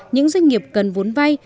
những doanh nghiệp cần vốn vay